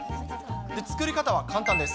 作り方は簡単です。